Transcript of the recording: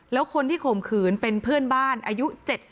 แล้วคนที่ข่มขืนเป็นเพื่อนบ้านอายุ๗๐